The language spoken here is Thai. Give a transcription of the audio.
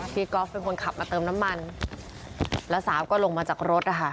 ก๊อฟเป็นคนขับมาเติมน้ำมันแล้วสาวก็ลงมาจากรถนะคะ